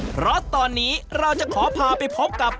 เพราะตอนนี้เราจะขอพาไปพบกับ